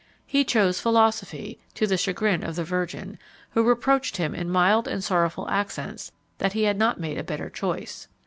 He chose philosophy, to the chagrin of the Virgin, who reproached him in mild and sorrowful accents that he had not made a better choice.